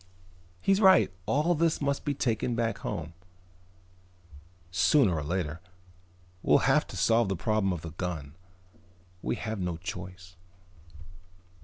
He's right: all this must be taken back home, sooner or later. We'll have to solve the problem of the gun. We have no choice."